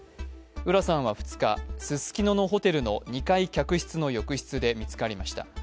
浦さんは２日、ススキノのホテルの２階客室の浴室で見つかりました。